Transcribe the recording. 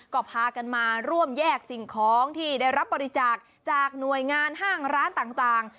ก็พากันมาร่วมแยกสิ่งของที่ได้รับบริจาคจากหน่วยงานห้างร้านต่าง